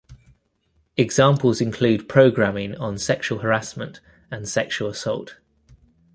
Examples include programming on sexual harassment and sexual assault.